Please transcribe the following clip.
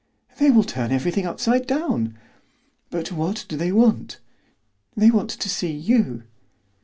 "They will turn everything upside down." "But what do they want?" "They want to see you."